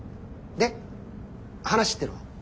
で話っていうのは？